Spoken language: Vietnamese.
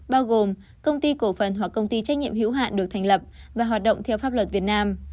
bao gồm công ty cổ phần hoặc công ty trách nhiệm hữu hạn được thành lập và hoạt động theo pháp luật việt nam